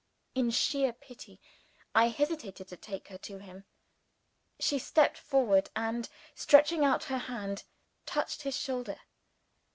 In sheer pity, I hesitated to take her to him. She stepped forward, and, stretching out her hand, touched his shoulder.